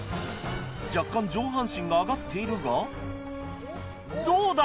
若干上半身が上がっているがどうだ